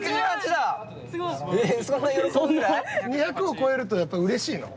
２００を超えるとやっぱうれしいの？